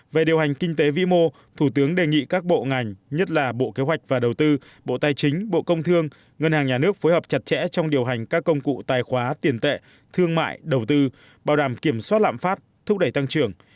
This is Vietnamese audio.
về điều hành kinh tế vĩ mô thủ tướng đề nghị các bộ ngành nhất là bộ kế hoạch và đầu tư bộ tài chính bộ công thương ngân hàng nhà nước phối hợp chặt chẽ trong điều hành các công cụ tài khóa tiền tệ thương mại đầu tư bảo đảm kiểm soát lạm phát thúc đẩy tăng trưởng